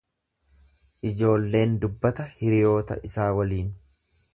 Ijoolleen dubbata hiriyoota isaa waliin.